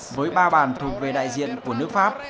với ba bàn thuộc về đại diện của nước pháp